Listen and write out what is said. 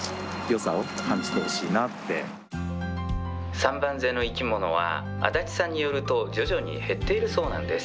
三番瀬の生き物は安達さんによると徐々に減っているそうなんです。